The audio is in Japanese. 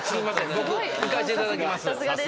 僕行かせていただきます。